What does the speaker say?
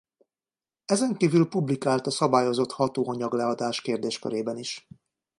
Ezenkívül publikált a szabályozott hatóanyag-leadás kérdéskörében is.